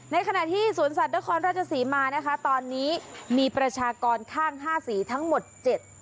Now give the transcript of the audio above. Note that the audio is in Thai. ในขณะที่ศูนย์สัตว์เดอะคอนราชศรีมานะคะตอนนี้มีประชากรข้าง๕สีทั้งหมด๗ตัวนะ